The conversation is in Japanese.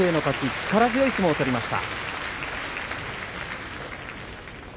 力強い相撲を取りました。